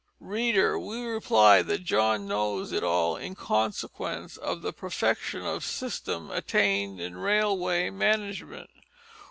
Reader, we reply that John knows it all in consequence of the perfection of system attained in railway management.